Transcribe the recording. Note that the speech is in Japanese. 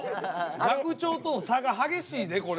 学長との差が激しいでこれ。